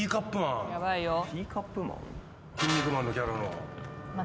『キン肉マン』のキャラの。